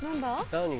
何？